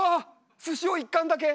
すしを一貫だけ。